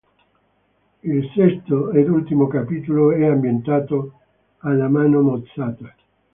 Il sesto ed ultimo capitolo è ambientato alla Mano Mozzata.